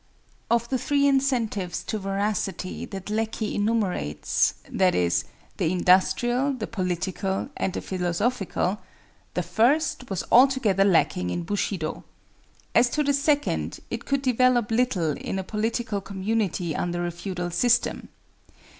Of the three incentives to Veracity that Lecky enumerates, viz: the industrial, the political, and the philosophical, the first was altogether lacking in Bushido. As to the second, it could develop little in a political community under a feudal system.